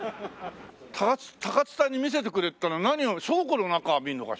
高津さんに「見せてくれ」って言ったら何を倉庫の中を見るのかしら？